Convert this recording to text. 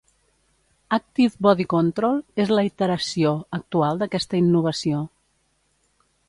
"Active Body Control" és la iteració actual d'aquesta innovació.